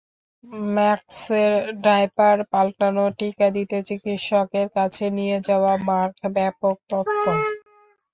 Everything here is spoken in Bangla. ম্যাক্সের ডায়াপার পাল্টানো, টিকা দিতে চিকিৎসকের কাছে নিয়ে যাওয়া—মার্ক ব্যাপক তৎপর।